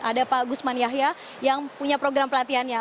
ada pak gusman yahya yang punya program pelatihannya